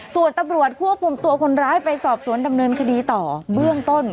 ส่วนตำรวจควบคุมตัวคนร้ายไปสอบสวนดำเนินคดีต่อเบื้องต้น